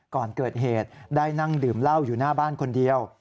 ก่อนเกิดเหตุได้นั่งดื่มเหล้าอยู่หน้าบ้านคนเดียว